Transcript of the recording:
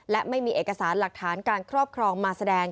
และไม่มีเอกสารหลักฐานการครอบครองมาแสดง